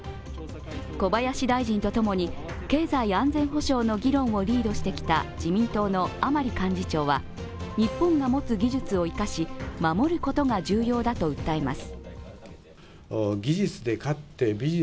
小林大臣とともに経済安全保障の議論をリードしてきた自民党の甘利幹事長は、日本が持つ技術を生かし守ることが重要だと訴えます。